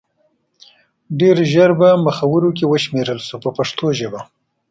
ډېر ژر په مخورو کې وشمېرل شو په پښتو ژبه.